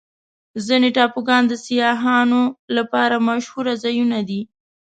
ځینې ټاپوګان د سیاحانو لپاره مشهوره ځایونه دي.